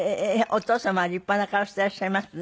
お父様は立派な顔していらっしゃいますね。